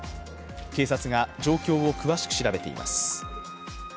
警察が状況を詳しく調べています。